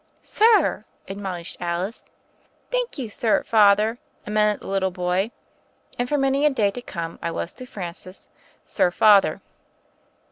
"Sir I" admonished Alice. "Thank you, sir Father," amended the little boy. And for many a day to come I was to Francis "Sir Father."